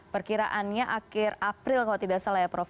perkiraannya akhir april kalau tidak salah ya prof